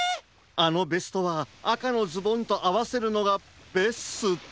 あのベストはあかのズボンとあわせるのがベスト。